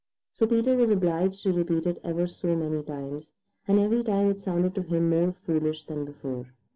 So Peter was obliged to repeat it ever so many times, and every time it sounded to him more foolish than before.